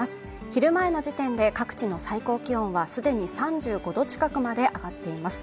昼前の時点で各地の最高気温はすでに３５度近くまで上がっています